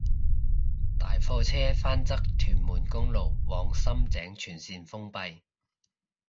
大貨車翻側屯門公路往深井全綫封閉